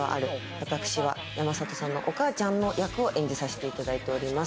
私は山里さんのお母ちゃんの役を演じさせていただいております。